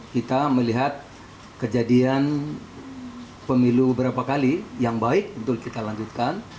kita melihat kejadian pemilu berapa kali yang baik untuk kita lanjutkan